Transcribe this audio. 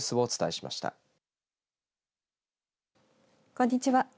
こんにちは。